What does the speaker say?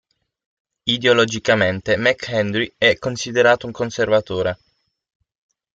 Ideologicamente McHenry è considerato un conservatore.